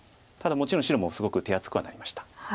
ただもちろん白もすごく手厚くはなりました。